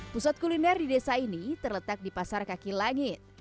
pusat kuliner di desa ini terletak di pasar kaki langit